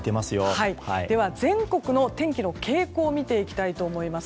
では、全国の天気の傾向を見ていきたいと思います。